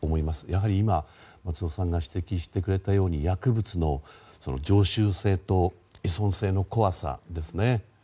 やはり今、松尾さんが指摘してくれたように薬物の常習性と依存性の怖さですね。